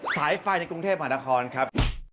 สายไฟในกรุงเทพหานครครับ